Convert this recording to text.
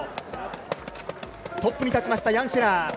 トップに立ちました。